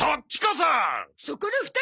そこの２人！